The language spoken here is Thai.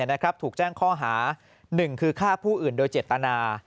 นะครับถูกแจ้งข้อหาหนึ่งคือฆ่าผู้อื่นโดยเจตนา